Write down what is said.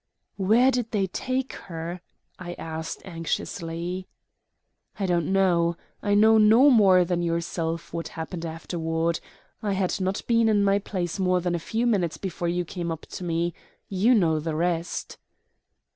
"Where did they take her?" I asked anxiously. "I don't know. I know no more than yourself what happened afterward. I had not been in my place more than a few minutes before you came up to me. You know the rest."